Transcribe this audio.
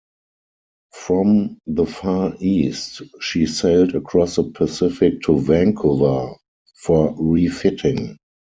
From the Far East, she sailed across the Pacific to Vancouver for re-fitting.